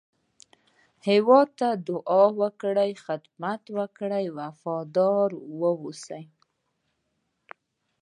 هېواد ته دعا وکړئ، خدمت وکړئ، وفاداره واوسی